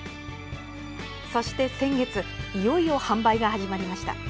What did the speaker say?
そして先月いよいよ販売が始まりました。